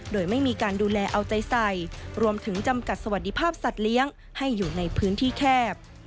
โดยไม่มีการดูแลเอาใจใส่รวมถึงจำกัดสวัสดิภาพสัตว์เลี้ยงให้อยู่ในพื้นที่แคบ